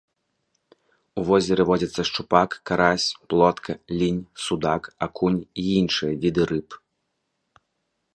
У возеры водзяцца шчупак, карась, плотка, лінь, судак, акунь і іншыя віды рыб.